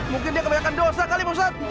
mungkin dia kebanyakan dosa kali ustadz